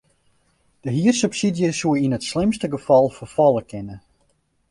De hiersubsydzje soe yn it slimste gefal ferfalle kinne.